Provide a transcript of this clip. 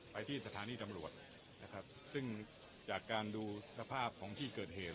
ไปที่สถานีตำรวจนะครับซึ่งจากการดูสภาพของที่เกิดเหตุ